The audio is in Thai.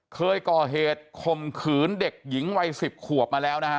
เคยก่อเหตุคมขืนเด็กหญิงวัย๑๐ขวบมาแล้วนะฮะ